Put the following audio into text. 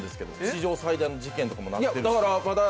史上最大の事件とかなってるし。